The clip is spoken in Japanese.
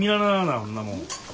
ほんなもん。